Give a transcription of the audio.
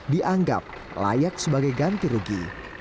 dianggap layak sebagai ganti rugi